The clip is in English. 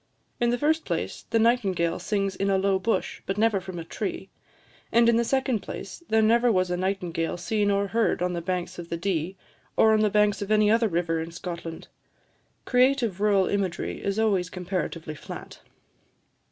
In the first place, the nightingale sings in a low bush, but never from a tree; and, in the second place, there never was a nightingale seen or heard on the banks of the Dee, or on the banks of any other river in Scotland. Creative rural imagery is always comparatively flat."